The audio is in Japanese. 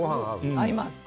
合います。